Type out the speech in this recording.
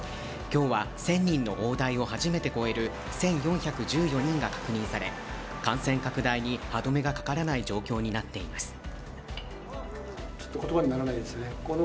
今日は１０００人の大台を初めて超える１４１４人が確認され、感染拡大に歯止めがかからない状況になっています。